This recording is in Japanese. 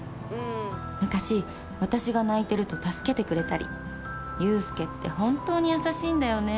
昔私が泣いてると助けてくれたり優助って本当に優しいんだよね